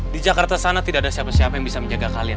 di jakarta sana tidak ada siapa siapa yang bisa menjaga kalian